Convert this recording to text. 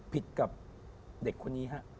ผิดกับเหล็กคนนี้